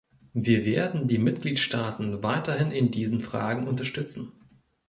Wir werden die Mitgliedstaaten weiterhin in diesen Fragen unterstützen.